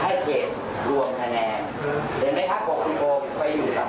ให้เทศรวมคะแนนเห็นมั้ยครับ